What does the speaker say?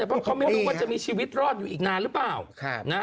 เพราะเขาไม่รู้ว่าจะมีชีวิตรอดอยู่อีกนานหรือเปล่า